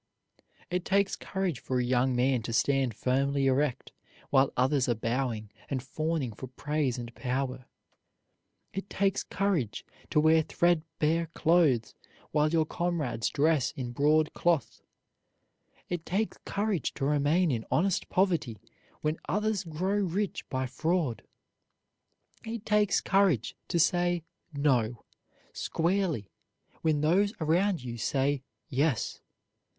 It takes courage for a young man to stand firmly erect while others are bowing and fawning for praise and power. It takes courage to wear threadbare clothes while your comrades dress in broadcloth. It takes courage to remain in honest poverty when others grow rich by fraud. It takes courage to say "No" squarely when those around you say "Yes."